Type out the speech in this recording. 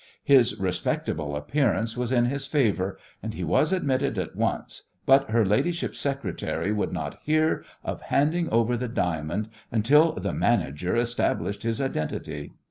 His respectable appearance was in his favour, and he was admitted at once, but her ladyship's secretary would not hear of handing over the diamonds until "the manager" established his identity.